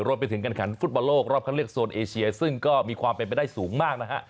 รวมไปถึงการขันฟุตบอลโลกรอบคันเลือกโซนเอเชียซึ่งก็มีความเป็นไปได้สูงมากนะฮะ